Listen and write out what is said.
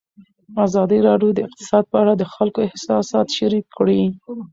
ازادي راډیو د اقتصاد په اړه د خلکو احساسات شریک کړي.